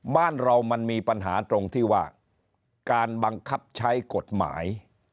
บ้านเรามันมีปัญหาตรงที่ว่าการบังคับใช้กฎหมาย